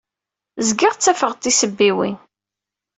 Zgiɣ ttafeɣ-d tisebbiwin.